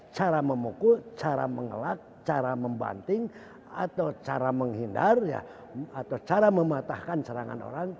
cara memukul cara mengelak cara membanting atau cara menghindar atau cara mematahkan serangan orang